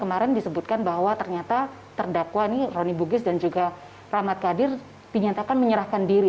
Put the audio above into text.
di fakta persidangan disebutkan bahwa ternyata terdakwa nih roni bugis dan juga rahmat qadir dinyatakan menyerahkan diri